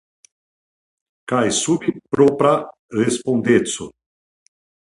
Kaj sub propra respondeco.